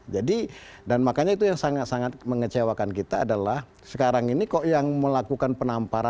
jadi dan makanya itu yang sangat sangat mengecewakan kita adalah sekarang ini kok yang melakukan penampungan